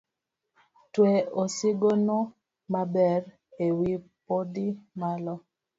Twe osigono maber ewi bodi malo.